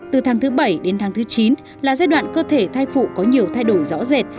từ tháng thứ bảy đến tháng thứ chín là giai đoạn cơ thể thai phụ có nhiều thay đổi rõ rệt